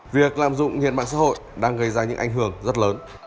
việc lạm dụng nghiện mạng xã hội đang gây ra những ảnh hưởng rất lớn